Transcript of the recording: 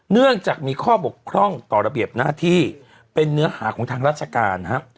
เนื่องจากมีข้อบกพร่องต่อระเบียบหน้าที่เป็นเนื้อหาของทางราชการนะครับ